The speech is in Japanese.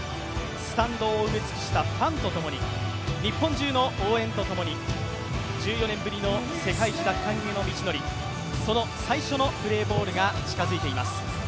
スタンドを埋め尽くしたファンと共に日本中の応援とともに１４年ぶりの世界一奪還への道のり、その最初のプレーボールが近づいています。